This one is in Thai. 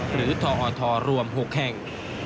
หรือทอทรวม๖แห่ง